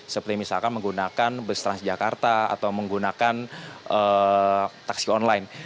seperti misalkan menggunakan bus transjakarta atau menggunakan taksi online